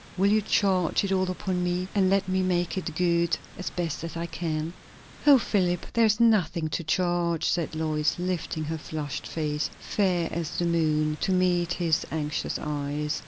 Will you charge it all upon me? and let me make it good as best I can?" "O Philip, there is nothing to charge!" said Lois, lifting her flushed face, "fair as the moon," to meet his anxious eyes.